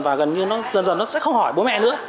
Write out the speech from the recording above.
và gần như nó dần dần nó sẽ không hỏi bố mẹ nữa